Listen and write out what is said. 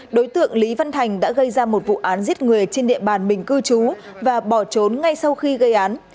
đối tượng lý văn thành đã gây ra một vụ án giết người trên địa bàn mình cư trú và bỏ trốn ngay sau khi gây án